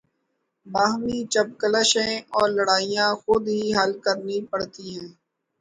باہمی چپقلشیں اور لڑائیاں خود ہی حل کرنی پڑتی ہیں۔